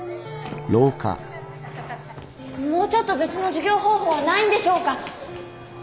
もうちょっと別の授業方法はないんでしょうか？